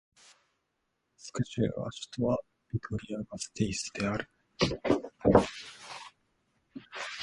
バスク州の州都はビトリア＝ガステイスである